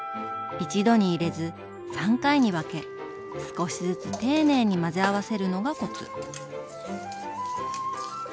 一度に入れず３回に分け少しずつ丁寧に混ぜ合わせるのがコツ。